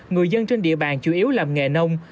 người dân trên địa bàn chủ yếu làm nghề nông